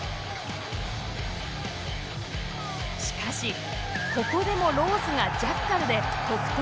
しかしここでもローズがジャッカルで得点を許しません